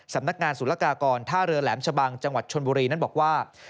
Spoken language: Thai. สำนักงานศุลกากรท่าเรือแหลมชะบังจังหวัดชนบุรีนั้นบอกว่า